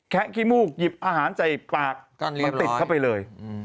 ขี้มูกหยิบอาหารใส่ปากมันติดเข้าไปเลย